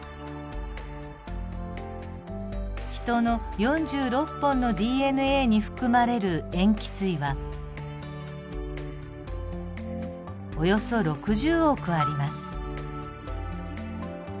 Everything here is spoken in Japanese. ヒトの４６本のＤＮＡに含まれる塩基対はおよそ６０億あります。